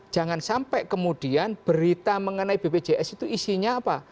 jangan sampai kemudian berita mengenai bpjs itu isinya apa